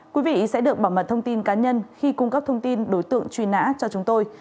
quý vị sẽ được bảo mật thông tin cá nhân khi cung cấp thông tin đối tượng truy nã cho chúng tôi